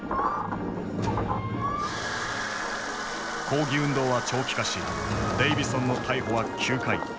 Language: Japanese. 抗議運動は長期化しデイヴィソンの逮捕は９回。